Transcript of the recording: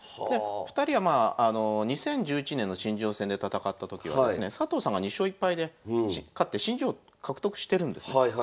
２人はまあ２０１１年の新人王戦で戦った時はですね佐藤さんが２勝１敗で勝って新人王獲得してるんですね。